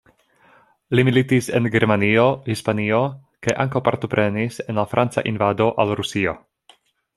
Li militis en Germanio, Hispanio kaj ankaŭ partoprenis en la Franca invado al Rusio.